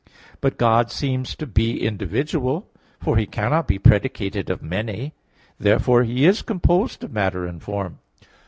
But God seems to be individual, for He cannot be predicated of many. Therefore He is composed of matter and form.